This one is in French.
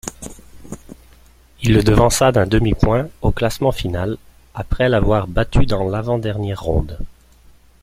Il le devança d'un demi-point au classement final après l'avoir battu dans l'avant-dernière ronde.